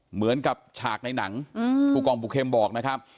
เหมือนกับฉากในหนังผู้กองปูเข็มบอกนะครับ